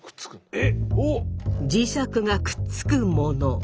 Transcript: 磁石がくっつくもの。